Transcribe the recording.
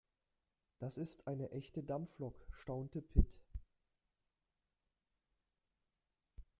Das ist eine echte Dampflok, staunte Pit.